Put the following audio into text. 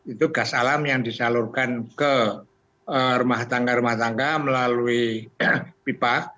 itu gas alam yang disalurkan ke rumah tangga rumah tangga melalui pipa